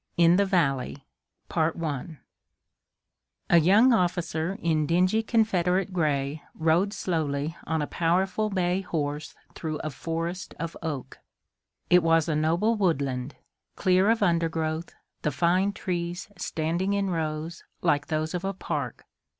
IN THE VALLEY A young officer in dingy Confederate gray rode slowly on a powerful bay horse through a forest of oak. It was a noble woodland, clear of undergrowth, the fine trees standing in rows, like those of a park.